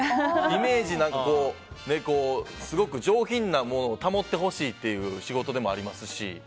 イメージ、すごく上品なものを保ってほしいという仕事でもありますし。